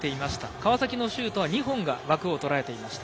川崎のシュート２本が枠を捉えていました。